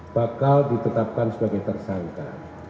bakal ditetapkan sebagai tersangka